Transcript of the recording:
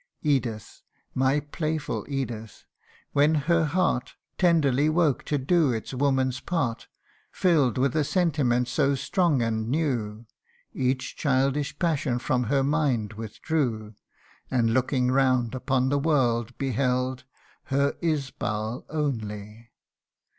Edith, my playful Edith, when her heart Tenderly woke to do its woman's part, FilFd with a sentiment so strong and new, Each childish passion from her mind withdrew, And looking round upon the world beheld Her Isbal only.